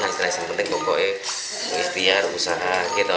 hasilnya yang penting pokoknya istiar usaha